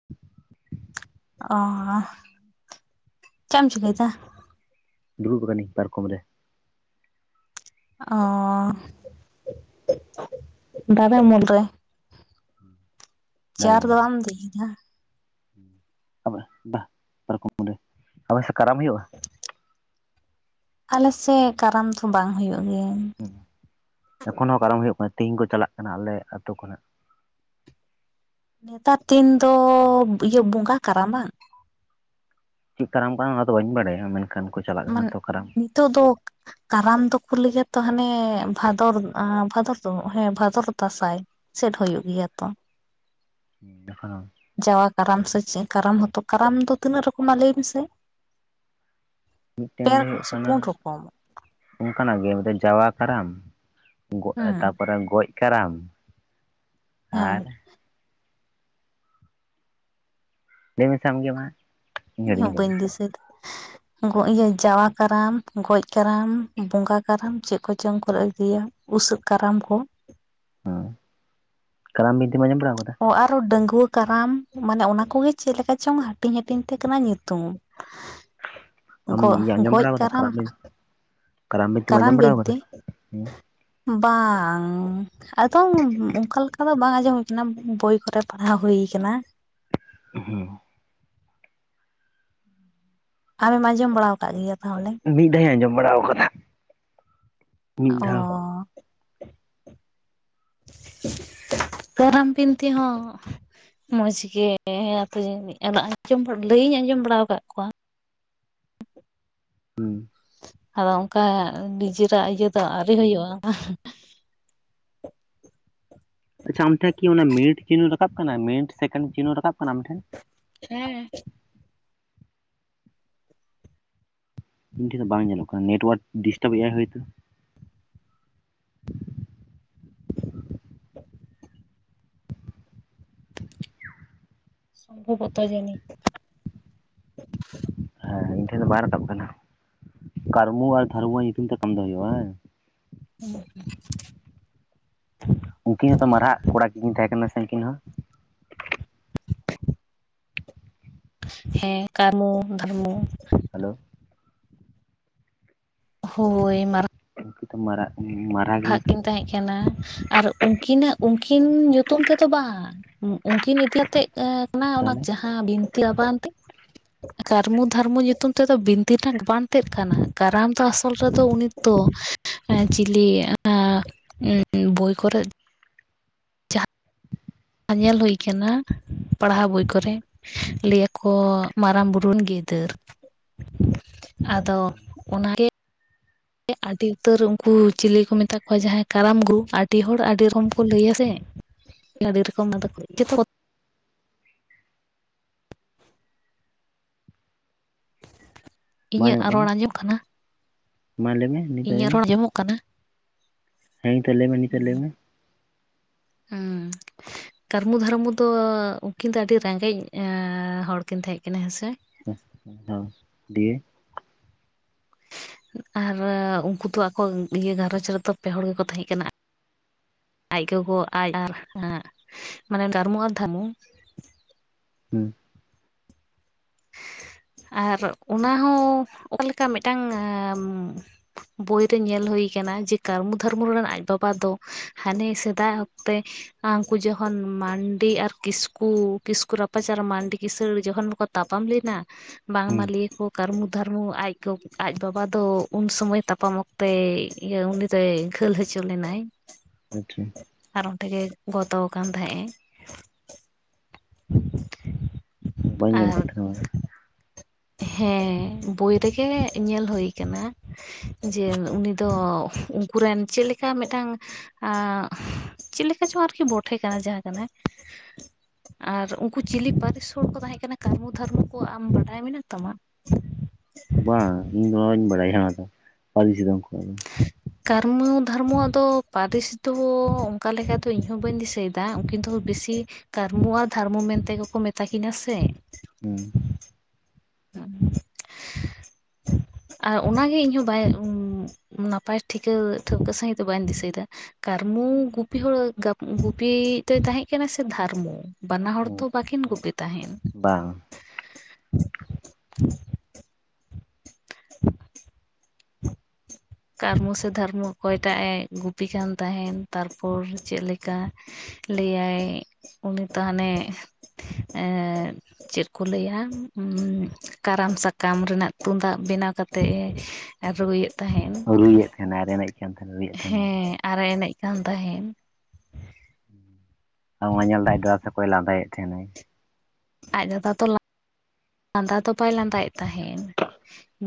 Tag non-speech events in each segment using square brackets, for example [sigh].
[unintelligible] ᱚᱻ ᱦᱟ ᱪᱮᱜ ᱮᱢ ᱪᱤᱠᱟᱹᱭᱫᱟ ᱫᱩᱲᱩᱵ ᱟᱠᱟᱹᱱᱟᱹᱧ ᱯᱟᱨᱠᱚᱢ ᱨᱮ ᱚᱻ ᱫᱟᱨᱮ ᱩᱢᱩᱞ ᱨᱮ ᱫᱟᱨᱮ ᱪᱮᱭᱟᱨ ᱫᱚ ᱩᱢᱩᱞ ᱨᱮ ᱟᱢ ᱤᱫᱤ ᱭᱟᱠᱟᱫᱟ ᱟᱵᱟ ᱵᱟᱦ ᱯᱟᱨᱠᱚᱢ ᱨᱮ ᱟᱯᱮ ᱥᱮᱫ ᱠᱟᱨᱟᱢ ᱦᱩᱭᱩᱜᱼᱟ ᱟᱞᱮᱥᱮᱜ ᱠᱟᱨᱟᱢ ᱛᱚ ᱵᱟᱝ ᱦᱩᱭᱩᱜ ᱜᱮᱭᱟ ᱮᱠᱷᱚᱱ ᱦᱚᱸ ᱠᱟᱨᱟᱢ ᱦᱩᱭᱩᱜ ᱠᱟᱱᱟ ᱛᱮᱦᱤᱧ ᱠᱚ ᱪᱟᱞᱟᱜ ᱠᱟᱱᱟ ᱟᱞᱮ ᱟᱛᱩ ᱠᱷᱚᱱᱟᱜ ᱱᱮᱛᱟᱨ ᱫᱤᱱ ᱫᱚ ᱵᱤᱭᱟᱹ ᱵᱚᱸᱜᱟ ᱠᱟᱨᱟᱢᱟ ᱪᱤᱜ ᱠᱟᱨᱟᱢ ᱠᱟᱱᱟ ᱚᱱᱟ ᱫᱚ ᱵᱟᱹᱧ ᱵᱟᱰᱟᱭᱟ ᱢᱮᱱᱠᱷᱟᱱ ᱠᱚ ᱪᱟᱞᱟᱜ ᱠᱟᱱᱟ ᱛᱚ ᱠᱟᱨᱟᱢ ᱛᱚ ᱫᱚᱠ ᱠᱟᱨᱟᱢ ᱫᱚᱠᱚ ᱞᱟᱹᱭᱟ ᱛᱚ ᱦᱟᱱᱮ ᱵᱷᱟᱫᱚᱨ ᱵᱷᱟᱫᱚᱨ ᱫᱚ ᱦᱮᱸ ᱵᱷᱟᱫᱚᱨ ᱫᱟᱥᱟᱭ ᱥᱮᱴ ᱦᱚᱭᱚᱜ ᱜᱮᱭᱟ ᱛᱚ ᱡᱟᱦᱟᱸ ᱡᱟᱣᱟ ᱠᱟᱨᱟᱢ ᱥᱮ ᱪᱮᱫ ᱠᱟᱨᱟᱢ ᱦᱚᱸᱛᱚ ᱠᱟᱨᱟᱢ ᱫᱚ ᱛᱤᱱᱟᱹᱜ ᱨᱚᱠᱚᱢᱟ ᱞᱟᱹᱭ ᱢᱮᱥᱮ ᱢᱤᱫᱴᱮᱱ ᱯᱮ ᱫᱚ ᱨᱚᱠᱚᱢ ᱥᱮ ᱚᱱᱟ ᱯᱩᱱ ᱨᱚᱠᱚᱢ ᱚᱱᱠᱟᱱᱟᱜ ᱜᱮ ᱢᱮᱫᱴᱟᱹᱝ ᱡᱟᱣᱟ ᱠᱟᱨᱟᱢ ᱜᱚ ᱦᱮᱸ ᱛᱟᱯᱚᱨᱮ ᱜᱚᱡ ᱠᱟᱨᱟᱢ ᱦᱮᱸ ᱟᱨ ᱞᱟᱹᱭ ᱢᱮᱥᱮ ᱟᱢᱜᱮ ᱢᱟ ᱤᱧ ᱦᱤᱲᱤᱧ ᱤᱧᱦᱚᱸ ᱠᱟᱫᱟ ᱵᱟᱹᱧ ᱫᱤᱥᱟᱹᱭᱫᱟ [inaudible] ᱜᱚ ᱤᱭᱟᱹ ᱡᱟᱣᱟ ᱠᱟᱨᱟᱢ ᱜᱚᱡ ᱠᱟᱨᱟᱢ ᱵᱚᱸᱜᱟ ᱠᱟᱨᱟᱢ ᱪᱮᱫ ᱠᱚᱪᱚᱝ ᱠᱚ ᱞᱟᱹᱭ ᱤᱫᱤᱭᱟ ᱩᱥᱟᱹᱜ ᱠᱟᱨᱟᱢ ᱠᱚ ᱦᱮᱸ ᱠᱟᱨᱟᱢ ᱵᱤᱱᱛᱤᱢ ᱟᱡᱚᱢ ᱵᱟᱲᱟᱣ ᱠᱟᱫᱟ? ᱚ ᱟᱨᱚ ᱰᱟᱺᱜᱣᱟᱹ ᱠᱟᱨᱟᱢ ᱢᱟᱱᱮ ᱚᱱᱟ ᱠᱚᱜᱮ ᱪᱮᱫ ᱞᱮᱠᱟ ᱪᱚᱝ ᱦᱟ ᱴᱤᱧ ᱦᱟᱹᱴᱤᱧ ᱛᱮ ᱠᱟᱱᱟ ᱧᱩᱛᱩᱢ ᱟᱢ ᱤᱭᱟᱹ ᱟᱸᱡᱚᱢ ᱜᱚᱡ ᱵᱟᱲᱟ ᱟᱠᱟᱫᱟ ᱠᱟᱨᱟᱢ ᱵᱤᱱᱛᱤ ᱵᱤᱱᱛᱤᱢ ᱠᱟᱨᱟᱢ ᱟᱸᱡᱚᱢ ᱵᱟᱲᱟ ᱟᱠᱟᱫᱟ ᱵᱤᱱᱛᱤ ᱦᱩᱸ ᱵᱟᱝ ᱟᱫᱚ ᱚᱱᱠᱟ ᱞᱮᱠᱟ ᱫᱚ ᱵᱟᱝ ᱟᱸᱡᱚᱢ ᱚᱱᱟ ᱵᱳᱭ ᱠᱚᱨᱮ ᱯᱟᱲᱦᱟᱣ ᱦᱩᱭ ᱠᱟᱱᱟ ᱦᱩᱸ ᱟᱢᱮᱢ ᱟᱸᱡᱚᱢ ᱵᱟᱲᱟ ᱟᱠᱟᱫ ᱜᱮᱭᱟ ᱛᱟᱦᱚᱞᱮ? ᱢᱤᱫ ᱫᱷᱟᱣ ᱤᱧ ᱟᱸᱡᱚᱢ ᱵᱟᱲᱟ ᱠᱟᱫᱟ ᱚ [inaudible] ᱠᱟᱨᱟᱢ ᱯᱤᱱᱛᱤ ᱦᱚᱸ ᱢᱚᱸᱡᱽ ᱜᱮ ᱦᱮᱸ ᱟᱯᱮ ᱡᱟᱹᱱᱤᱡ ᱟᱢᱟᱜ ᱩᱪᱩᱢ ᱜᱮ ᱞᱟᱹᱭᱤᱧ ᱟᱸᱡᱚᱢ ᱵᱟᱲᱟᱣᱟᱠᱟᱜ ᱠᱚᱣᱟ ᱦᱩᱸ ᱟᱫᱚ ᱚᱱᱠᱟ ᱱᱤᱡᱮᱨᱟᱜ ᱤᱭᱟᱹ ᱫᱚ ᱟᱹᱣᱨᱤ ᱦᱩᱭᱩᱜᱼᱟ ᱟᱪᱪᱷᱟ ᱟᱢᱴᱷᱮᱱ ᱠᱤ ᱚᱱᱟ ᱢᱤᱱᱤᱴ ᱪᱤᱱᱩ ᱨᱟᱠᱟᱵ ᱠᱟᱱᱟ ᱢᱤᱱᱤᱴ ᱥᱮᱠᱮᱱᱰ ᱪᱤᱱᱩ ᱨᱟᱠᱟᱵ ᱠᱟᱱᱟ ᱟᱢᱴᱷᱮᱱ ᱦᱮᱸ ᱤᱧ ᱴᱷᱮᱱ ᱫᱚ ᱵᱟᱝ ᱧᱮᱞᱚᱜ ᱠᱟᱱᱟ ᱱᱮᱴᱳᱣᱟᱨᱠ ᱰᱤᱥᱴᱟᱵ ᱮᱜᱼᱟᱭ ᱦᱳᱭᱛᱚ ᱥᱚᱢᱵᱷᱚᱵᱚᱛᱛᱚ ᱡᱟᱱᱤ ᱦᱮᱸ ᱤᱧ ᱴᱷᱮᱱ ᱫᱚ ᱵᱟᱭ ᱨᱟᱠᱟᱵ ᱠᱟᱱᱟ ᱠᱟᱹᱨᱢᱩ ᱟᱨ ᱫᱷᱟᱹᱨᱢᱩ ᱧᱩᱛᱩᱢ ᱛᱮ ᱠᱟᱢᱤ ᱫᱚ ᱦᱩᱭᱩᱜᱼᱟ ᱵᱟᱝ? ᱦᱸ ᱩᱱᱠᱤᱱ ᱦᱚᱸᱛᱚ ᱢᱟᱨᱦᱟᱜ ᱠᱚᱲᱟ ᱠᱤᱱ ᱛᱟᱦᱮᱸ ᱠᱟᱱᱟ ᱥᱮ ᱩᱱᱠᱤᱱ ᱦᱚᱸ ᱦᱮᱸ ᱠᱟᱨᱢᱩ ᱫᱷᱟᱨᱢᱩ ᱦᱮᱞᱳ ᱦᱳᱭ ᱢᱟᱨ ᱛᱚ ᱢᱟᱨᱟᱜ ᱢᱟᱨ ᱦᱟᱜ ᱠᱤᱱ ᱛᱟᱦᱮᱸᱜ ᱠᱟᱱᱟ ᱟᱨ ᱩᱱᱠᱤᱱᱟᱜ ᱩᱱᱠᱤᱱ ᱧᱩᱛᱩᱢ ᱛᱮᱫᱚ ᱵᱟᱝ, ᱩᱱᱠᱤᱱ ᱮᱠᱞᱟ ᱛᱮ ᱠᱟᱱᱟ ᱚᱱᱟ ᱛᱟᱦᱚᱞᱮ ᱡᱟᱦᱟᱸ ᱵᱤᱱᱛᱤ ᱟᱵᱟᱱ ᱛᱮ ᱠᱟᱨᱢᱩ ᱫᱷᱟᱨᱢᱚ ᱧᱩᱛᱩᱢ ᱛᱮᱫᱚ ᱵᱤᱱᱛᱤ ᱨᱮᱱᱟᱜ ᱵᱟᱝ ᱛᱮᱜ ᱠᱟᱱᱟ ᱠᱟᱨᱟᱢ ᱫᱚ ᱟᱥᱚᱞ ᱨᱮᱫᱚ ᱩᱱᱤ ᱛᱚ ᱚᱱᱮ ᱪᱤᱞᱤ ᱵᱳᱭ ᱠᱚᱨᱮᱜ ᱡᱟᱦᱟᱸ ᱧᱮᱞ ᱦᱩᱭ ᱠᱟᱱᱟ ᱯᱟᱲᱦᱟᱣ ᱵᱳᱭ ᱠᱚᱨᱮ ᱞᱟᱹᱭ ᱟᱠᱚ ᱢᱟᱨᱟᱝ ᱵᱩᱨᱩ ᱨᱮᱱ ᱜᱤᱫᱟᱹᱨ ᱟᱫᱚ ᱚᱱᱟ ᱜᱮ ᱟᱹᱰᱤ ᱩᱛᱟᱹᱨ ᱩᱱᱠᱩ ᱪᱤᱞᱤ ᱠᱚ ᱢᱮᱛᱟ ᱠᱚᱣᱟ ᱡᱟᱦᱟᱸᱭ ᱠᱟᱨᱟᱢ ᱜᱩᱨᱩ, ᱟᱹᱰᱤ ᱦᱚᱲ ᱟᱹᱰᱤ ᱨᱚᱠᱚᱢ ᱠᱚ ᱞᱟᱹᱭᱟ ᱥᱮ ᱟᱹᱰᱤ ᱨᱚᱠᱚᱢ ᱟᱫᱚ ᱠᱚ ᱡᱚᱛᱚ ᱵᱟᱝ ᱤᱧᱟᱹᱜ ᱧᱟᱢᱚᱜ ᱨᱚᱲ ᱠᱟᱱᱟ ᱟᱸᱡᱚᱢᱚᱜ ᱢᱟ ᱞᱟᱹᱭᱢᱮ ᱤᱧᱟᱹᱜ ᱨᱚᱲ ᱡᱚᱢᱚᱜ ᱠᱟᱱᱟ ᱦᱮᱸ ᱛᱚ ᱞᱟᱹᱭ ᱢᱮ ᱱᱤᱛᱚᱜ ᱞᱟᱹᱭ ᱢᱮ ᱩᱸ ᱠᱟᱨᱢᱩ ᱫᱷᱟᱨᱢᱩ ᱫᱚ ᱩᱱᱠᱤᱱ ᱫᱚ ᱟᱹᱰᱤ ᱨᱮᱸᱜᱮᱡ ᱦᱚᱲ ᱠᱤᱱ ᱛᱟᱦᱮᱸ ᱠᱟᱱᱟ ᱦᱮᱸᱥᱮ ᱦᱚᱸ ᱫᱤᱭᱮ ᱟᱨ ᱩᱱᱠᱩ ᱫᱚ ᱟᱠᱚᱤᱭᱟᱹ ᱜᱷᱟᱨᱚᱸᱧᱡᱽ ᱨᱮᱫᱚ ᱯᱮ ᱦᱚᱲ ᱜᱮᱠᱚ ᱛᱟᱦᱮᱸ ᱠᱟᱱᱟ ᱟᱡ ᱜᱚᱜᱚ ᱟᱡ ᱟᱨ ᱢᱟᱱᱮ ᱠᱟᱨᱢᱩ ᱟᱨ ᱫᱷᱟᱨᱢᱩ ᱦᱩᱸ ᱟᱨ ᱚᱱᱟ ᱦᱚᱸ ᱚᱠᱟᱞᱮᱠᱟ ᱢᱤᱫᱴᱟᱝ ᱵᱳᱭ ᱨᱮ ᱧᱮᱞ ᱦᱩᱭ ᱠᱟᱱᱟ ᱡᱮ ᱠᱟᱨᱢᱩ ᱫᱷᱟᱨᱢᱩ ᱨᱮᱱ ᱟᱡ ᱵᱟᱵᱟ ᱫᱚ ᱦᱟᱱᱮ ᱥᱮᱫᱟᱭ ᱚᱠᱛᱮ ᱟᱨ ᱩᱱᱠᱩ ᱡᱚᱠᱷᱚᱱ ᱢᱟᱱᱰᱤ ᱟᱨ ᱠᱤᱥᱠᱩ ᱠᱤᱥᱠᱩ ᱨᱟᱯᱟᱪ ᱟᱨ ᱢᱟᱱᱰᱤ ᱠᱤᱥᱟᱹᱲ ᱡᱚᱠᱷᱚᱱ ᱠᱚ ᱛᱟᱯᱟᱢ ᱞᱮᱱᱟ ᱦᱩᱸ ᱵᱟᱝᱢᱟ ᱞᱟᱹᱭ ᱟᱠᱚ ᱠᱟᱹᱨᱢᱩ ᱫᱷᱟᱹᱨᱢᱩ ᱟᱡ ᱜᱚ ᱟᱡ ᱵᱟᱵᱟ ᱫᱚ ᱩᱱ ᱥᱚᱢᱚᱭ ᱛᱟᱯᱟᱢ ᱚᱠᱛᱮ ᱤᱭᱟᱹ ᱩᱱᱤᱫᱚᱭ ᱜᱷᱟᱹᱞ ᱦᱚᱪᱚ ᱞᱮᱱᱟᱭ ᱟᱪᱪᱷᱟ ᱟᱨ ᱚᱱᱛᱮ ᱜᱮ ᱜᱚᱛᱚᱣ ᱟᱠᱟᱱ ᱛᱟᱦᱮᱸᱜ ᱮ ᱵᱟᱹᱧ ᱮ ᱟᱸᱡᱚᱢ ᱟᱨ ᱟᱠᱟᱫ ᱛᱟᱦᱮᱱᱟ ᱦᱮᱸ ᱵᱚᱭ ᱨᱮᱜᱮ ᱧᱮᱞ ᱦᱩᱭ ᱟᱠᱟᱱᱟ ᱡᱮ ᱩᱱᱤ ᱫᱚ ᱩᱱᱠᱩ ᱨᱮᱱ ᱪᱮᱫ ᱞᱮᱠᱟ ᱢᱤᱫᱴᱟᱝ ᱪᱮᱫ ᱞᱮᱠᱟ ᱪᱚᱝ ᱟᱨᱠᱤ ᱵᱚᱴᱮ ᱠᱟᱱᱟ ᱡᱟᱦᱟᱸ ᱠᱟᱱᱟᱭ ᱟᱨ ᱩᱱᱠᱩ ᱪᱤᱞᱤ ᱯᱟᱹᱨᱤᱥ ᱦᱚᱲ ᱠᱚ ᱛᱟᱦᱮᱸᱠᱟᱱᱟ ᱠᱟᱨᱢᱩ ᱫᱷᱟᱨᱢᱩ ᱠᱚ ᱟᱢ ᱵᱟᱰᱟᱭ ᱢᱮᱱᱟᱜ ᱛᱟᱢᱟ? ᱵᱟᱝ ᱤᱧᱫᱚ ᱚᱦᱚᱧ ᱵᱟᱲᱟᱭ ᱚᱱᱟ ᱯᱟᱨᱤᱥ ᱫᱚ ᱩᱱᱠᱩᱣᱟᱜ ᱫᱚ ᱠᱟᱨᱢᱚ ᱫᱷᱚᱨᱢᱚᱣᱟᱜ ᱫᱚ ᱯᱟᱹᱨᱤᱥ ᱫᱚ ᱚᱱᱠᱟ ᱞᱮᱠᱟ ᱫᱚ ᱤᱧᱦᱚᱸ ᱵᱟᱹᱧ ᱫᱤᱥᱟᱹᱭᱮᱫᱟ ᱩᱱᱠᱤᱱ ᱫᱚ ᱵᱤᱥᱤ ᱠᱟᱨᱢᱩ ᱟᱨ ᱫᱷᱟᱨᱢᱩ ᱢᱮᱱᱛᱮ ᱜᱮᱠᱚ ᱢᱮᱛᱟ ᱠᱤᱱᱟ ᱥᱮ ᱦᱩᱸ [inaudible] ᱟᱨ ᱚᱱᱟᱜᱮ ᱤᱧᱦᱚᱸ ᱵᱟᱭ ᱱᱟᱯᱟᱭ ᱴᱷᱤᱠᱟᱹ ᱴᱷᱟᱹᱣᱠᱟᱹ ᱥᱟᱺᱦᱤᱡ ᱫᱚ ᱵᱟᱹᱧ ᱫᱤᱥᱟᱹᱭᱮᱫᱟ ᱠᱟᱨᱢᱩ ᱜᱩᱯᱤ ᱦᱚᱲ ᱜᱩᱯᱤ ᱫᱚᱭ ᱛᱟᱦᱮᱸ ᱠᱟᱱᱟ ᱥᱮ ᱫᱷᱟᱨᱢᱩ? ᱵᱟᱱᱟ ᱦᱚᱲ ᱛᱚ ᱵᱟᱠᱤᱱ ᱦᱩᱸ ᱜᱩᱯᱤ ᱛᱟᱦᱮᱱ ᱵᱟᱝ [inaudible] [inaudible] ᱠᱟᱨᱢᱩ ᱥᱮ ᱫᱷᱚᱨᱢᱩ ᱚᱠᱚᱭᱴᱟᱜ ᱮ ᱜᱩᱯᱤ ᱠᱟᱱ ᱛᱟᱦᱮᱱ ᱛᱟᱨᱯᱚᱨ ᱪᱮᱫ ᱞᱮᱠᱟ ᱞᱟᱹᱭᱟᱭ ᱩᱱᱤ ᱛᱚ ᱦᱟᱱᱮ ᱪᱮᱫ ᱠᱚ ᱞᱟᱹᱭᱟ ᱠᱟᱨᱟᱢ ᱥᱟᱠᱟᱢ ᱨᱮᱱᱟᱜ ᱛᱩᱢᱫᱟᱜ ᱵᱮᱱᱟᱣ ᱠᱟᱛᱮ‌ ᱨᱩᱭᱮᱫ ᱛᱟᱦᱮᱱ ᱨᱩᱭᱮᱫ ᱛᱟᱦᱮᱱᱟᱭ ᱨᱮᱸᱜᱮᱡ ᱠᱟᱱ ᱛᱟᱦᱮᱱᱟ ᱨᱩᱭᱮᱫ ᱛᱟᱦᱮᱱᱟᱭ ᱦᱮᱸ ᱟᱨᱮ ᱮᱱᱮᱡ ᱠᱟᱱ ᱛᱟᱦᱮᱱ᱾ ᱵᱟᱝᱢᱟ ᱧᱮᱞᱫᱟᱭ ᱟᱢ ᱫᱟᱫᱟ ᱥᱮ ᱚᱠᱚᱭ ᱮ ᱞᱟᱸᱫᱟᱭᱮᱫ ᱛᱟᱦᱮᱱᱟᱭ ᱟᱡ ᱫᱟᱫᱟ ᱛᱚ ᱞᱟ ᱞᱟᱸᱫᱟ ᱫᱚ ᱵᱟᱭ ᱞᱟᱸᱫᱟᱭᱮᱫ ᱛᱟᱦᱮᱱ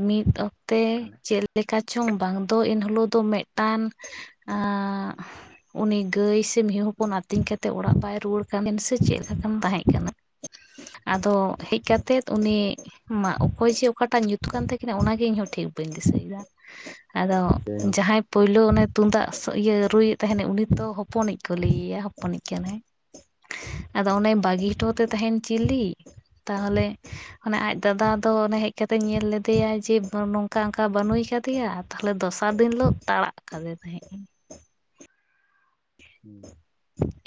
ᱢᱤᱫ ᱚᱠᱛᱮ ᱛᱟᱦᱚᱞᱮ ᱪᱮᱫ ᱞᱮᱠᱟ ᱪᱚᱝ ᱵᱟᱝ ᱫᱚ ᱮᱱᱦᱤᱞᱳᱜ ᱫᱚ ᱢᱤᱫᱴᱟᱱ ᱩᱱᱤ ᱜᱟᱹᱭ ᱥᱮ ᱢᱤᱦᱩ ᱦᱟᱯᱚᱱ ᱟᱹᱛᱤᱧ ᱠᱟᱛᱮᱫ ᱚᱲᱟᱜ ᱵᱟᱭ ᱨᱩᱣᱟᱹᱲ ᱠᱟᱱᱟ ᱥᱮ ᱪᱮᱫ ᱞᱮᱠᱟᱱ ᱛᱟᱦᱮᱸ ᱠᱟᱱᱟ [inaudible] ᱟᱫᱚ ᱦᱮᱡ ᱠᱟᱛᱮᱫ᱾ ᱩᱱᱤ ᱢᱟᱜ, ᱚᱠᱚᱭ ᱪᱮ ᱚᱠᱟᱴᱟᱜ ᱧᱩ ᱠᱟᱱ ᱛᱟᱹᱠᱤᱱᱟ ᱚᱱᱟᱜᱮ ᱤᱧᱦᱚᱸ ᱴᱷᱤᱠ ᱵᱟᱹᱧ ᱫᱤᱥᱟᱹᱭᱮᱫᱟ ᱟᱫᱚ ᱡᱟᱭᱦᱳᱠ ᱡᱟᱦᱟᱸᱭ ᱯᱳᱭᱞᱳ ᱚᱱᱮ ᱛᱩᱢᱫᱟᱜ ᱤᱭᱟᱹ ᱨᱩᱭᱮᱫ ᱛᱟᱦᱮᱱ ᱩᱱᱤ ᱫᱚ ᱦᱚᱯᱚᱱᱤᱡ ᱠᱚ ᱞᱟᱹᱭᱮᱭᱟ ᱦᱚᱯᱚᱱᱤᱡ ᱠᱟᱱᱟᱭ᱾ [unintelligible] ᱟᱫᱚ ᱚᱱᱮ ᱵᱟᱹᱜᱤ ᱦᱚᱴᱚ ᱛᱮ ᱛᱟᱦᱮᱱ ᱪᱤᱞᱤ ᱛᱟᱦᱚᱞᱮ! ᱚᱱᱮ ᱟᱡ ᱫᱟᱫᱟ ᱫᱚ ᱮ ᱦᱮᱡ ᱠᱟᱛᱮ ᱧᱮᱞ ᱞᱮᱫᱮᱭᱟ ᱡᱮ ᱱᱚᱝᱠᱟ ᱚᱱᱠᱟ ᱵᱟᱱᱩᱭ ᱠᱟᱫᱮᱭᱟ᱾ ᱛᱟᱦᱚᱞᱮ ᱫᱚᱥᱟᱨ ᱫᱤᱱ ᱦᱤᱞᱳᱜ ᱛᱟᱸᱲᱟᱜ ᱠᱟᱫᱮ ᱛᱟᱦᱮᱸᱫ᱾ ᱦᱩᱸ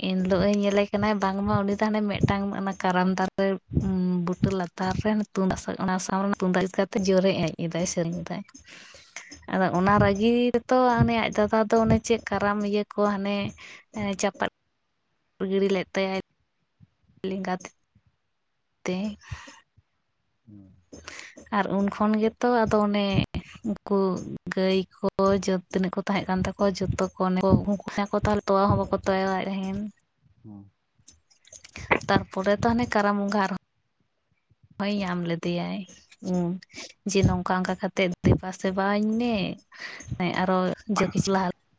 ᱮᱱᱦᱤᱞᱳᱜ ᱧᱮᱞᱮ ᱠᱟᱱᱟ ᱵᱟᱝᱢᱟ ᱩᱱᱤ ᱛᱚᱞᱮ ᱢᱤᱫᱴᱟᱝ ᱚᱱᱟ ᱠᱟᱨᱟᱢ ᱫᱟᱨᱮ ᱾ ᱵᱩᱴᱟᱹ ᱞᱟᱛᱟᱨ ᱨᱮ ᱛᱩᱢᱫᱟᱜ ᱚᱱᱟ ᱥᱟᱠᱟᱢ ᱛᱮ ᱛᱩᱢᱫᱟᱜ ᱡᱩᱛ ᱠᱟᱛᱮ ᱡᱳᱨᱮ ᱮᱱᱮᱡ ᱫᱟᱭ ᱥᱮᱨᱮᱧ ᱮᱫᱟᱭ᱾ [unintelligible] ᱟᱫᱚ ᱚᱱᱟ ᱨᱟᱹᱜᱤ ᱛᱚ ᱚᱱᱮ ᱟᱡ ᱫᱟᱫᱟ ᱫᱚ ᱚᱱᱮ ᱪᱮᱫ ᱠᱟᱨᱟᱢ ᱤᱭᱟᱹ ᱠᱚ ᱦᱟᱱᱮ! ᱦᱮ ᱪᱟᱯᱟᱫ ᱜᱤᱲᱤ ᱞᱮᱫ ᱛᱟᱭᱟᱭ ᱞᱮᱸᱜᱟ ᱛᱤ ᱛᱮ᱾ ᱦᱩᱸ ᱟᱨ ᱩᱱ ᱠᱷᱚᱱ ᱜᱮᱛᱚ ᱟᱫᱚ ᱚᱱᱮ᱾ ᱩᱱᱠᱩ ᱜᱟᱹᱭ ᱠᱚ ᱛᱤᱱᱟᱹᱜ ᱠᱚ ᱛᱟᱦᱮᱸ ᱠᱟᱱ ᱛᱟᱠᱚᱣᱟ ᱡᱚᱛᱚ ᱠᱚ [unintelligible] ᱛᱚᱣᱟ ᱦᱚᱸ ᱵᱟᱠᱚ ᱛᱚᱣᱮᱫ ᱛᱟᱦᱮᱱ᱾ ᱦᱩᱸ ᱛᱟᱨᱯᱚᱨᱮ ᱛᱚ ᱦᱟᱱᱮ ᱠᱟᱨᱟᱢ ᱵᱚᱸᱜᱟ ᱟᱨᱦᱚᱸ ᱦᱳᱭ ᱧᱟᱢ ᱞᱮᱫᱮᱭᱟᱭ ᱦᱩᱸ ᱡᱮ ᱱᱚᱝᱠᱟ ᱚᱱᱠᱟ ᱠᱟᱛᱮᱜ ᱫᱮᱵᱟ ᱥᱮᱵᱟᱧ ᱢᱮ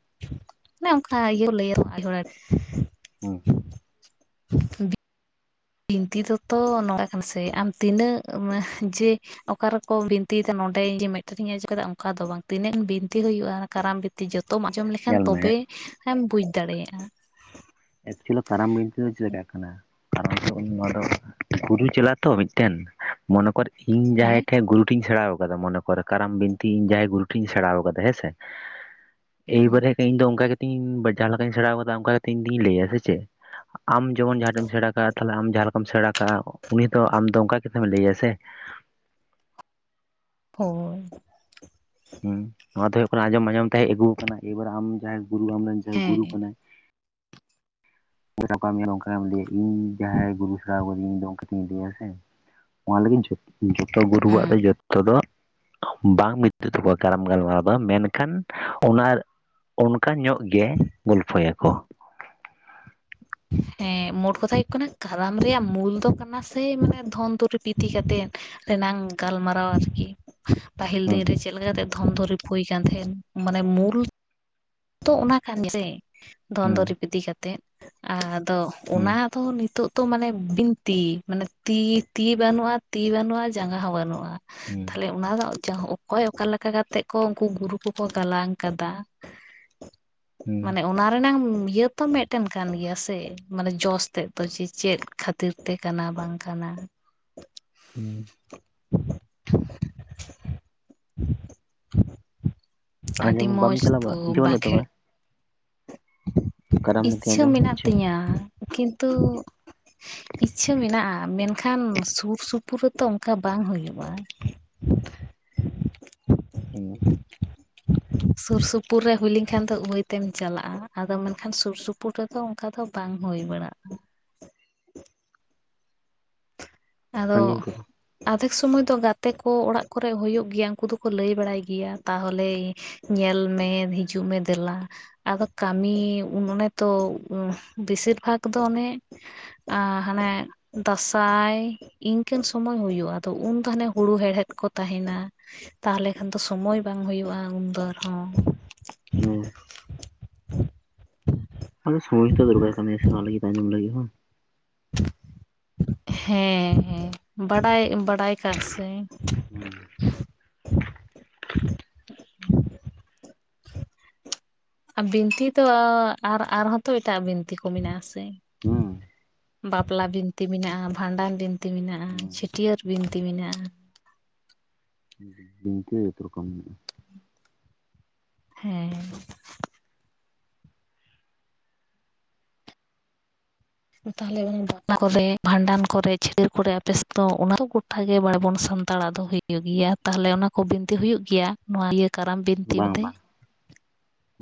[unintelligible] ᱚᱱᱮ ᱚᱱᱠᱟ ᱤᱭᱟᱹ ᱞᱟᱹᱭᱟ ᱛᱚ ᱟᱰᱤ ᱦᱚᱲ ᱟᱰᱤ ᱦᱩᱸ ᱵᱤᱱᱛᱤ ᱛᱚᱛᱛᱷᱚ ᱱᱚᱝ ᱠᱟᱱᱟ ᱥᱮ ᱟᱢ ᱛᱤᱱᱟᱹᱜ ᱡᱮ ᱚᱠᱟ ᱨᱮᱠᱚ ᱵᱤᱱᱛᱤᱭᱮᱫᱟ ᱱᱚᱰᱮ ᱢᱤᱫᱴᱮᱱᱤᱧ ᱟᱹᱡᱚᱢ ᱠᱮᱫᱟ ᱚᱱᱠᱟ ᱫᱚ ᱵᱟᱝ ᱛᱤᱱᱟᱹᱜ ᱵᱤᱱᱛᱤ ᱦᱩᱭᱩᱜᱼᱟ ᱠᱟᱨᱟᱢ ᱵᱤᱱ ᱛᱤ ᱡᱚᱛᱚᱢ ᱟᱸᱡᱚᱢ ᱞᱮᱠᱷᱟᱱ ᱧᱮᱞ ᱢᱮ ᱛᱚᱵᱮᱢ ᱵᱩᱡ ᱫᱟᱲᱮᱭᱟᱜᱼᱟ ᱮᱠᱪᱩᱭᱮᱞᱤ ᱠᱟᱨᱟᱢ ᱵᱤᱱᱛᱤ ᱫᱚ ᱪᱮᱫ ᱞᱮᱠᱟᱜ ᱠᱟᱱᱟ ᱠᱟᱨᱟᱢ ᱫᱚ ᱩᱱ ᱱᱚᱣᱟ ᱫᱚ ᱜᱩᱨᱩ ᱪᱟᱞᱟᱜ ᱟ ᱛᱚ ᱢᱤᱫᱴᱮᱱ ᱢᱚᱱᱮ ᱠᱚᱨ ᱤᱧ ᱡᱟᱦᱟᱸᱭ ᱦᱮᱸ ᱴᱷᱮᱡ ᱜᱩᱨᱩ ᱴᱷᱤᱧ ᱥᱮᱬᱟ ᱟᱠᱟᱫᱟ ᱢᱚᱱᱮ ᱠᱚᱨ ᱠᱟᱨᱟᱢ ᱵᱤᱱᱛᱤ ᱤᱧ ᱡᱟᱦᱟᱸᱭ ᱜᱩᱨᱩ ᱴᱷᱤᱧ ᱥᱮᱬᱟ ᱟᱠᱟᱫᱟ ᱦᱮᱸ ᱥᱮ᱾ ᱮᱹᱭᱵᱟᱨᱮ ᱤᱧ ᱫᱚ ᱚᱱᱠᱟ ᱠᱟᱛᱮᱧ ᱡᱟᱦᱟᱸ ᱞᱮᱠᱟᱧ ᱥᱮᱸᱬᱟ ᱟᱠᱟᱫᱟ ᱚᱱᱠᱟ ᱠᱟᱛᱮ ᱤᱧ ᱫᱩᱧ ᱞᱟᱹᱭᱟ ᱥᱮ ᱪᱮᱫ ᱟᱢ ᱡᱮᱢᱚᱱ ᱡᱟᱦᱟᱸ ᱴᱷᱮᱱ ᱮᱢ ᱥᱮᱸᱬᱟ ᱠᱟᱜᱼᱟ ᱛᱟᱦᱚᱞᱮ ᱟᱢ ᱡᱟᱦᱟᱸ ᱞᱮᱠᱟᱢ ᱥᱮᱸᱬᱟ ᱠᱟᱜᱼᱟ ᱩᱱᱤ ᱫᱚ ᱟᱢ ᱫᱚ ᱚᱱᱠᱟ ᱜᱮᱛᱚᱢ ᱞᱟᱹᱭ ᱟᱭᱟ ᱥᱮ ᱦᱳᱭ ᱦᱮᱸ ᱱᱚᱣᱟ ᱛᱮ ᱦᱩᱭᱩᱜ ᱠᱟᱱᱟ ᱟᱸᱡᱚᱢ ᱟᱸᱡᱚᱢ ᱛᱮ ᱦᱮᱡ ᱟᱹᱜᱩ ᱟᱠᱟᱱᱟ ᱮᱭᱟᱵᱟᱨᱮ ᱟᱢ ᱡᱟᱦᱟᱸᱭ ᱜᱩᱨᱩ ᱟᱢᱨᱮᱱ ᱡᱟᱦᱟᱸᱭ ᱦᱮᱸ ᱜᱩᱨᱩ ᱠᱟᱱᱟᱭ ᱜᱟᱯᱟᱢ ᱞᱟᱹᱭᱟ ᱤᱧ ᱡᱟᱦᱟᱸᱭ ᱜᱩᱨᱩ ᱥᱮᱲᱟᱣᱠᱟᱹᱫᱤᱧ ᱤᱧ ᱚᱱᱠᱟᱧ ᱤᱫᱤᱭᱟ ᱥᱮ ᱚᱱᱟ ᱞᱟᱹᱜᱤᱫ ᱡᱚᱛᱚ ᱜᱩᱨᱩᱣᱟᱜ ᱫᱚ ᱦᱮᱸ ᱡᱚᱛᱚ ᱛᱚ ᱫᱚ ᱵᱟᱝ ᱢᱤᱫ ᱛᱟᱠᱚᱣᱟ ᱠᱟᱨᱟᱢ ᱜᱟᱞᱢᱟᱨᱟᱣ ᱫᱚ ᱢᱮᱱᱠᱷᱟᱱ ᱚᱱᱟ ᱚᱱᱠᱟ ᱧᱚᱜ ᱜᱮ ᱜᱚᱞᱯᱷᱚᱭᱟᱠᱚ ᱦᱮᱸ ᱢᱳᱴ ᱠᱟᱛᱷᱟ ᱦᱩᱭᱩᱜ ᱠᱟᱱᱟ ᱠᱟᱨᱟᱢ ᱨᱮᱭᱟᱜ ᱢᱩᱞ ᱫᱚ ᱠᱟᱱᱟ ᱥᱮ ᱢᱟᱱᱮ ᱫᱷᱚᱱᱛᱩᱨᱤ ᱤᱫᱤ ᱠᱟᱛᱮᱫ ᱨᱮᱱᱟᱝ ᱜᱟᱞᱢᱟᱨᱟᱣᱟ ᱟᱹᱨᱠᱤ ᱯᱟᱹᱦᱤᱞ ᱦᱮᱸ ᱫᱤᱱ ᱨᱮ ᱪᱮᱫᱞᱮᱠᱟ ᱠᱟᱛᱮ ᱫᱷᱚᱱ ᱫᱩᱨᱤᱵ ᱦᱩᱭ ᱟᱠᱟᱱ ᱛᱟᱦᱮᱸᱫ ᱢᱟᱱᱮ ᱢᱩᱞ ᱛᱚ ᱚᱱᱟ ᱠᱟᱱ ᱜᱮ ᱥᱮ ᱫᱷᱚᱱ ᱦᱮᱸ ᱫᱩᱨᱤᱯ ᱤᱫᱤ ᱠᱟᱛᱮᱫ ᱟᱫᱚ ᱦᱮᱸ ᱚᱱᱟ ᱛᱚ ᱱᱤᱛᱳ ᱛᱚ ᱢᱟᱱᱮ ᱵᱤᱱᱛᱤ ᱢᱟᱱᱮ ᱛᱤ ᱛᱤ ᱵᱟᱹᱱᱩᱜᱼᱟ ᱛᱤ ᱵᱟᱹᱱᱩᱜᱼᱟ ᱡᱟᱸᱜᱟ ᱦᱚᱸ ᱵᱟᱹᱱᱩᱜᱼᱟ ᱦᱩᱸ ᱛᱟᱦᱚᱞᱮ ᱚᱱᱟ ᱫᱚ ᱚᱠᱚᱭ ᱚᱠᱟ ᱞᱮᱠᱟ ᱠᱟᱛᱮᱜ ᱠᱚ ᱩᱱᱠᱩ ᱜᱩᱨᱩ ᱠᱚᱠᱚ ᱜᱟᱞᱟᱝ ᱠᱟᱫᱟ ᱦᱮᱸ ᱢᱟᱱᱮ ᱚᱱᱟ ᱨᱮᱱᱟᱝ ᱤᱭᱟᱹ ᱛᱚ ᱢᱤᱫᱴᱮᱱ ᱠᱟᱱ ᱜᱮᱭᱟ ᱥᱮ ᱢᱟᱱᱮ ᱡᱚᱥ ᱛᱮᱫ ᱫᱚ ᱡᱮ ᱪᱮᱫ ᱠᱷᱟᱹᱛᱤᱨ ᱛᱮ ᱠᱟᱱᱟ ᱵᱟᱝ ᱠᱟᱱᱟ ᱦᱩᱸ [unintelligible] ᱟᱹᱰᱤ ᱟᱸᱡᱚᱢ ᱵᱟᱢ ᱢᱚᱸᱡᱽ ᱪᱟᱞᱟᱣ ᱵᱟᱲᱟᱜ ᱛᱚ ᱤᱪᱪᱷᱟᱹ ᱵᱟᱠ ᱵᱟᱹᱱᱩᱜ ᱛᱟᱢᱟ ᱠᱟᱨᱟᱢ ᱵᱤᱱᱛᱤ ᱤᱪᱪᱷᱟᱹ ᱟᱸᱡᱚᱢ ᱢᱮᱱᱟᱜ ᱤᱪᱪᱷᱟᱹ ᱛᱤᱧᱟ ᱠᱤᱱᱛᱩ ᱤᱪᱪᱷᱟᱹ ᱢᱮᱱᱟᱜᱼᱟ ᱢᱮᱱᱠᱷᱟᱱ ᱥᱩᱨ ᱥᱩᱯᱩᱨ ᱨᱮᱛᱚ ᱚᱱᱠᱟ ᱵᱟᱝ ᱦᱩᱭᱩᱜᱼᱟ [inaudible] ᱦᱩᱸ ᱥᱩᱨᱥᱩᱯᱩᱨ ᱨᱮ ᱦᱩᱭ ᱞᱮᱱᱠᱷᱟᱱ ᱫᱚ ᱩᱣᱟᱹᱭᱛᱮᱢ ᱪᱟᱞᱟᱜᱼᱟ ᱟᱫᱚ ᱢᱮᱱᱠᱷᱟᱱ ᱥᱩᱨ ᱥᱩᱯᱩᱨ ᱨᱮᱫᱚ ᱚᱱᱠᱟ ᱫᱚ ᱵᱟᱝ ᱦᱩᱭ ᱵᱟᱲᱟᱜᱼᱟ ᱟᱫᱚ ᱥᱟᱺᱜᱤᱧ ᱠᱚᱨᱮ ᱟᱫᱷᱮᱠ ᱥᱩᱢᱚᱭ ᱫᱚ ᱜᱟᱛᱮ ᱠᱚ ᱚᱲᱟᱜ ᱠᱚᱨᱮ ᱦᱩᱭᱩᱜ ᱜᱮᱭᱟ ᱩᱱᱠᱩ ᱫᱚᱠᱚ ᱞᱟᱹᱭ ᱵᱟᱲᱟᱭ ᱜᱮᱭᱟ ᱛᱟᱦᱚᱞᱮ ᱧᱮᱞ ᱢᱮ ᱦᱤᱡᱩᱜ ᱢᱮ ᱫᱮᱞᱟ ᱟᱫᱚ ᱠᱟᱢᱤ ᱚᱱᱮ ᱛᱚ ᱵᱤᱥᱤᱨ ᱵᱷᱟᱜᱽ ᱫᱚ ᱚᱱᱮ ᱦᱟᱱᱮ ᱫᱟᱸᱥᱟᱭ ᱤᱱᱠᱟᱹᱱ ᱥᱚᱢᱚᱭ ᱦᱩᱭᱩᱜᱼᱟ ᱟᱫᱚ ᱩᱱ ᱛᱟᱦᱚᱞᱮ ᱦᱩᱲᱩ ᱦᱮᱲᱦᱮᱫ ᱠᱚ ᱛᱟᱦᱮᱱᱟ ᱛᱟᱦᱚᱞᱮ ᱠᱷᱟᱱ ᱫᱚ ᱥᱚᱢᱚᱭ ᱵᱟᱝ ᱦᱩᱭᱩᱜᱼᱟ ᱩᱱᱫᱚ‌ ᱟᱨ ᱦᱚᱸ ᱦᱩᱸ ᱛᱟᱦᱮ ᱥᱚᱢᱚᱭ ᱛᱚ ᱫᱚᱠᱟᱨ ᱠᱟᱱᱟᱭᱟ ᱥᱮ ᱚᱱᱟ ᱞᱟᱹᱜᱤᱫ ᱟᱸᱡᱚᱢ ᱞᱟᱹᱜᱤᱫ ᱦᱚᱸ ᱦᱮᱸ ᱦᱚᱭ ᱵᱟᱰᱟᱭ ᱵᱟᱰᱟᱭ ᱠᱟᱜ ᱥᱮᱧ ᱦᱩᱸ ᱵᱤᱱᱛᱤ ᱫᱚ ᱟᱨ ᱟᱨᱦᱚᱸ ᱛᱚ ᱮᱴᱟᱜ ᱵᱤᱱᱛᱤ ᱠᱚ ᱢᱮᱱᱟᱜ ᱟᱥᱮ ᱦᱮᱸ ᱵᱟᱯᱞᱟ ᱵᱤᱱᱛᱤ ᱢᱮᱱᱟᱜᱼᱟ, ᱵᱷᱟᱸᱰᱟᱱ ᱵᱤᱱᱛᱤ ᱢᱮᱱᱟᱜᱼᱟ, ᱦᱮᱸ ᱪᱷᱟᱹᱴᱭᱟᱹᱨ ᱵᱤᱱᱛᱤ ᱢᱮᱱᱟᱜᱼᱟ ᱵᱤᱱᱛᱤ ᱮᱠ ᱨᱚᱠᱚᱢ ᱦᱮᱸ ᱛᱟᱦᱚᱞᱮ ᱵᱟᱯᱞᱟ ᱠᱚᱨᱮ ᱵᱷᱟᱸᱰᱟᱱ ᱠᱚᱨᱮ ᱪᱷᱟᱹᱴᱤᱭᱟᱹᱨ ᱠᱚᱨᱮ ᱟᱯᱮ ᱥᱮᱫᱚ ᱚᱱᱟ ᱠᱚ ᱜᱚᱴᱟ ᱜᱮ ᱵᱟᱲᱟᱭᱟᱵᱚᱱ ᱥᱟᱱᱛᱟᱲᱟᱜ ᱫᱚ ᱦᱩᱭᱩᱜᱼᱟ ᱦᱩᱭᱩᱜ ᱜᱮᱭᱟ ᱛᱟᱦᱚᱞᱮ ᱚᱱᱟ ᱠᱚ ᱵᱤᱱᱛᱤ ᱦᱩᱭᱩᱜ ᱜᱮᱭᱟ ᱱᱚᱣᱟ ᱤᱭᱟᱹ ᱠᱟᱨᱟᱢ ᱵᱤᱱᱛᱤ ᱵᱟᱝ ᱠᱟᱛᱮ ᱵᱟᱝ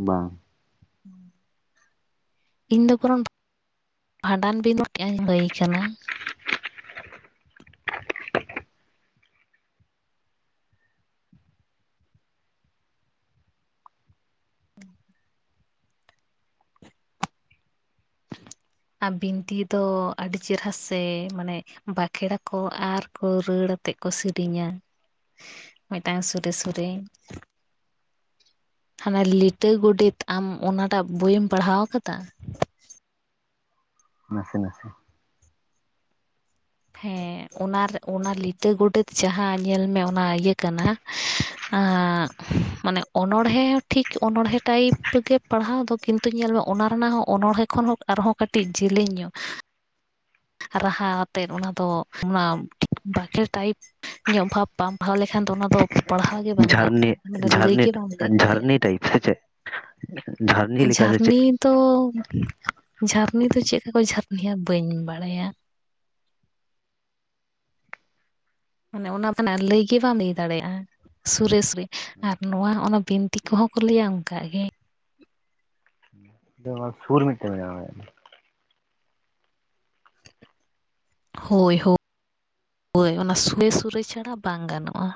ᱵᱟᱝ ᱦᱩᱸ ᱤᱧ ᱫᱚ ᱠᱚᱱᱚ ᱵᱷᱟᱸᱰᱟᱱ [unintelligible] ᱵᱤᱱ ᱴ ᱤᱧ ᱦᱩᱭ ᱟᱠᱟᱱᱟ [inaudible] ᱟᱨ ᱵᱤᱱᱛᱤ ᱫᱚ ᱟᱹᱰᱤ ᱪᱮᱨᱦᱟ ᱥᱮ ᱢᱟᱱᱮ ᱵᱟᱸᱠᱷᱮᱲᱟᱠᱚ ᱟᱨᱠᱚ ᱨᱟᱹᱲ ᱟᱛᱮᱜ ᱠᱚ ᱥᱮᱨᱮᱧᱟ ᱢᱤᱫᱴᱟᱝ ᱥᱚᱨᱮ ᱥᱚᱨᱮ ᱦᱟᱱᱟ ᱞᱤᱴᱟᱹ ᱜᱚᱰᱮᱛ ᱟᱢ ᱚᱱᱟᱴᱟᱜ ᱵᱳᱭᱢ ᱯᱟᱲᱦᱟᱣ ᱟᱠᱟᱫᱟ ᱱᱟᱥᱮ ᱱᱟᱥᱮ ᱦᱮᱸ ᱚᱱᱟ ᱚᱱᱟ ᱞᱤᱴᱟᱹ ᱜᱳᱰᱮᱛ ᱡᱟᱦᱟᱸ ᱧᱮᱞ ᱢᱮ ᱚᱱᱟ ᱤᱭᱟᱹ ᱠᱟᱱᱟ ᱢᱟᱱᱮ ᱚᱱᱚᱬᱦᱮᱸ ᱴᱷᱤᱠ ᱚᱱᱚᱬᱦᱮᱸ ᱴᱟᱭᱤᱯ ᱜᱮ ᱯᱟᱲᱦᱟᱣ ᱫᱚ ᱠᱤᱱᱛᱩ ᱠᱤᱱᱛᱩ ᱧᱮᱞ ᱢᱮ ᱚᱱᱟ ᱨᱮᱱᱟᱜ ᱦᱚᱸ ᱚᱱᱚᱦᱮ ᱠᱷᱚᱱ ᱦᱚᱸ ᱟᱨᱦᱚᱸ ᱠᱟᱹᱴᱤᱡ ᱡᱮᱞᱮᱧ ᱧᱚᱜ [unintelligible] ᱨᱟᱦᱟ ᱛᱮᱫ ᱚᱱᱟ ᱫᱚ ᱚᱱᱟ ᱵᱟᱠᱷᱮᱲ ᱴᱟᱭᱤᱯ ᱧᱚᱜ ᱵᱷᱟᱵ ᱵᱟᱢ ᱯᱟᱲᱦᱟᱣ ᱞᱮᱠᱷᱟᱱ ᱫᱚ ᱚᱱᱟ ᱫᱚ ᱯᱟᱲᱦᱟᱣ ᱜᱮ ᱵᱟᱝ ᱡᱷᱟᱨᱱᱤ ᱜᱟᱱᱚᱜᱼᱟ ᱱᱚᱰᱮ ᱞᱟᱹᱭ ᱡᱷᱟᱨᱱᱤ ᱜᱮ ᱵᱟᱢ ᱞᱟᱹᱭ ᱡᱷᱟᱨᱱᱤ ᱫᱟᱲᱮᱭᱟᱜᱼᱟ ᱴᱟᱭᱤᱯ ᱥᱮ ᱪᱮᱫ ᱞᱮᱠᱟ ᱥᱮ ᱪᱮᱫ ᱡᱷᱟᱨᱱᱤ ᱫᱚ ᱡᱷᱟᱨᱱᱤ ᱫᱚ ᱪᱮᱫ ᱠᱟ ᱠᱚ ᱡᱷᱟᱨ ᱱᱤᱭᱟ ᱵᱟᱹᱧ ᱵᱟᱲᱟᱭᱟ ᱢᱟᱱᱮ ᱚᱱᱟ ᱫᱚ ᱦᱟᱸᱜ ᱞᱟᱹᱭ ᱜᱮ ᱵᱟᱢ ᱞᱟᱹᱭ ᱫᱟᱲᱮᱭᱟᱜᱼᱟ ᱥᱩᱨᱮ ᱥᱩᱨᱮ ᱟᱨ ᱱᱚᱣᱟ ᱚᱱᱟ ᱵᱤᱱ ᱛᱤ ᱠᱚᱦᱚᱸ ᱠᱚ ᱞᱟᱹᱭᱟ ᱚᱱᱠᱟᱜ ᱜᱮ ᱥᱩᱨ ᱢᱤᱫᱴᱮᱱ ᱵᱮᱱᱟᱣ ᱦᱳᱭ ᱦᱳᱭ ᱦᱳᱭ ᱚᱱᱟ ᱥᱩᱨᱮ ᱥᱩᱨᱮ ᱪᱷᱟᱲᱟ ᱵᱟᱝ ᱜᱟᱱᱚᱜᱼᱟ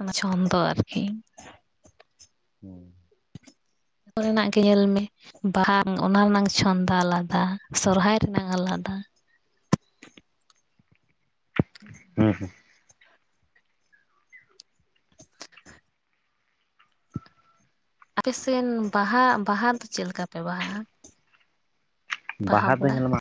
ᱚᱱᱟ ᱪᱷᱚᱱᱫᱚ ᱟᱨᱠᱤ ᱦᱩᱸ ᱚᱛ ᱨᱮᱱᱟᱜ ᱜᱮ ᱧᱮᱞ ᱢᱮ ᱵᱟᱦᱟ ᱚᱱᱟ ᱨᱮᱱᱟᱝ ᱪᱷᱚᱱᱫᱟ ᱟᱞᱟᱫᱟ ᱥᱚᱨᱦᱟᱭ ᱨᱮᱱᱟᱝ ᱟᱞᱟᱫᱟ ᱦᱮᱸ ᱦᱮᱸ [unintelligible] ᱟᱯᱮ ᱥᱨᱱ ᱵᱟᱦᱟ ᱵᱟᱦᱟ ᱫᱚ ᱪᱮᱫ ᱞᱮᱠᱟ ᱯᱮ ᱵᱟᱦᱟᱜᱼᱟ ᱵᱟᱦᱟ ᱫᱚ ᱧᱮᱞᱚᱜ